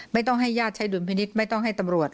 ไม่ต้องให้ญาติใช้ดุลพินิษฐ์ไม่ต้องให้ตำรวจ